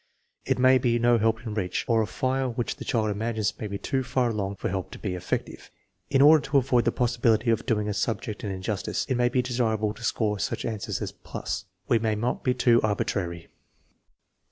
There may be no help in reach, or a fire which the child imagines may be too far along for help to be effective. In order to avoid the possibility of doing a subject an injustice, it may be desirable to score such answers plus. We must not be too arbitrary.